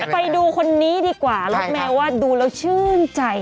ไปดูคนนี้ดีกว่ารถแมวว่าดูแล้วชื่นใจ